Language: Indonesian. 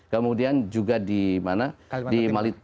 kemudian juga di mana